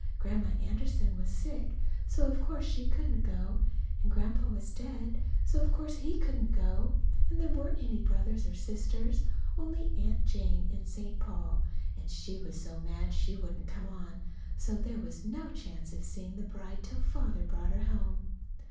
Grandma Anderson was sick, so of course she couldn't go, and Grandpa was dead, so of course he couldn't go, and there weren't any brothers or sisters, only Aunt Jane in St. Paul, and she was so mad she wouldn't come on. So there was no chance of seeing the bride till Father brought her home.